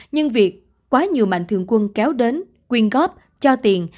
nhưng việc quá nhiều mạnh thường quân kéo đến quyên góp cho tiền